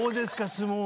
相撲。